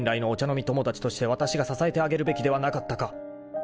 飲み友達としてわたしが支えてあげるべきではなかったか］